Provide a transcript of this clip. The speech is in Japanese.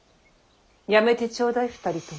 やめてちょうだい２人とも。